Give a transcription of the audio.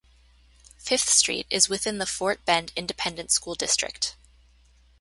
Fifth Street is within the Fort Bend Independent School District.